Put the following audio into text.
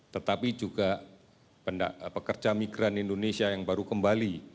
tetapi juga pekerja migran indonesia yang baru kembali